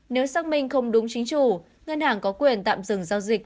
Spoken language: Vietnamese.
nếu xác minh không đúng chính chủ ngân hàng có quyền tạm dừng giao dịch